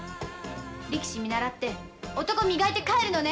力士見習って男磨いて帰るのね！